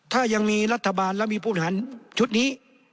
ถ้ายังมีรัฐบาลและมีผู้บริหารชุดนี้